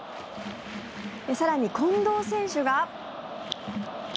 更に、近藤選手が。